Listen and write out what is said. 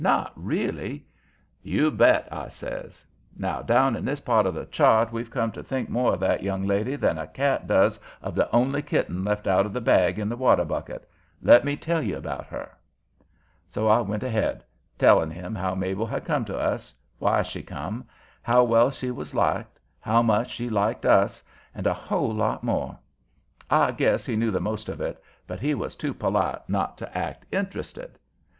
"Not really?" "You bet," I says. "Now down in this part of the chart we've come to think more of that young lady than a cat does of the only kitten left out of the bag in the water bucket. Let me tell you about her." So I went ahead, telling him how Mabel had come to us, why she come, how well she was liked, how much she liked us, and a whole lot more. I guess he knew the most of it, but he was too polite not to act interested.